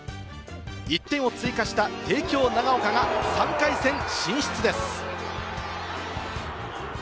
１点を追加した帝京長岡が３回戦進出です。